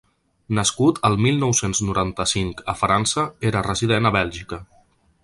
Nascut el mil nou-cents noranta-cinc a França, era resident a Bèlgica.